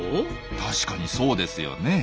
確かにそうですよね。